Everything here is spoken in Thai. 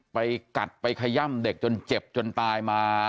ไปกัดไปขย่ำเด็กจนเจ็บจนตายมา